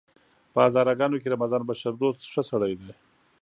په هزاره ګانو کې رمضان بشردوست ښه سړی دی!